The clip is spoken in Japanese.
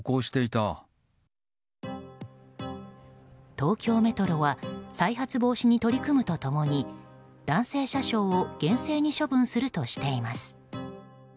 東京メトロは再発防止に取り組むと共に男性車掌を厳正に処分するとしています。